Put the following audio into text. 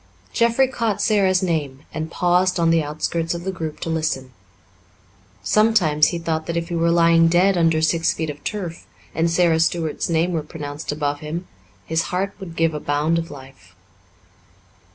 Jeffrey caught Sara's name and paused on the outskirts of the group to listen. Sometimes he thought that if he were lying dead under six feet of turf and Sara Stuart's name were pronounced above him, his heart would give a bound of life.